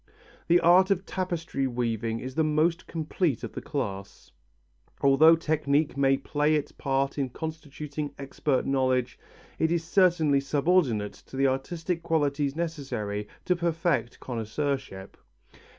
The art of tapestry weaving is the most complete of the class. Although technique may play its part in constituting expert knowledge, it is certainly subordinate to the artistic qualities necessary to perfect connoisseurship.